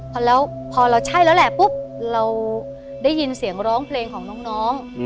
พอแล้วพอเราใช่แล้วแหละปุ๊บเราได้ยินเสียงร้องเพลงของน้อง